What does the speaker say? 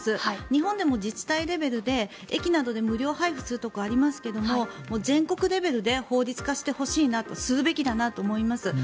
日本でも自治体レベルで駅などで無料配布するところありますが全国レベルで法律化してほしいなするべきだなと思います。